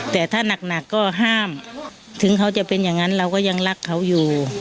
แต่ถ้าหนักก็ห้ามถึงเขาจะเป็นอย่างนั้นเราก็ยังรักเขาอยู่